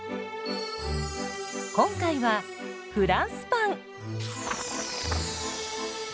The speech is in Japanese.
今回はフランスパン。